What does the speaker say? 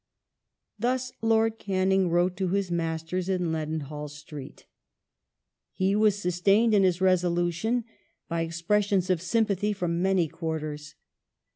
Thus Lord Canning wrote to his masters in Leadenhall Street He was sustained in his resolution by expressions of sympathy from many quarters.